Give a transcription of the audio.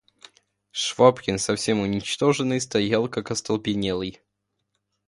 Швабрин, совсем уничтоженный, стоял как остолбенелый.